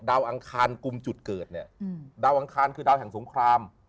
ดาวอังคารคือดาวแห่งสงคราม